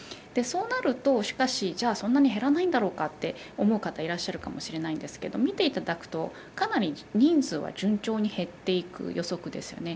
そうなると、しかし、じゃあそんなに減らないんだろうかと思う方がいらっしゃるかもしれませんが見ていただくと、かなり人数は順調に減っていく予測です。